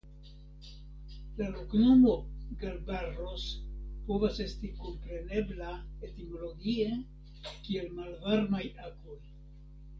La loknomo "Galbarros" povas esti komprenebla etimologie kiel Malvarmaj Akvoj.